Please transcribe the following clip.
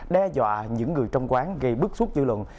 đe dọa những người trong quán gây bức xúc dư luận